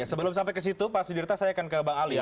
sebelum sampai ke situ pak sudirta saya akan ke bang ali ya